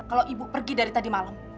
kalau ibu pergi dari tadi malam